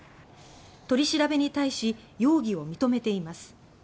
取り調べに対し容疑を認めています。